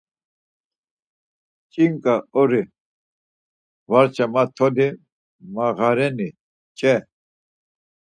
Ç̌inǩa ori, varça ma toli mağareni ç̌e?